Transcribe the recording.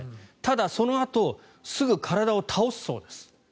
ただ、そのあとすぐ体を倒すそうです。